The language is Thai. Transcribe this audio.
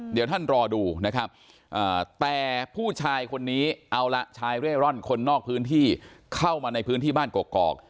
เดี๋ยวท่านรอดูนะครับแต่ผู้ชายคนนี้เอาละชายเร่ร่อนคนนอกพื้นที่เข้ามาในพื้นที่บ้านกอก